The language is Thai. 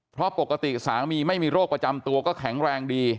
เพราะปกติสามีไม่มีโรคประจำตัวก็แข็งแรงดี